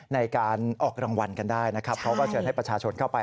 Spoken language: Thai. ในการออกรางวัลกันได้นะครับเขาก็เชิญให้ประชาชนเข้าไป